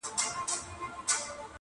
شپانه څرنگه په دښت كي مېږي پيايي٫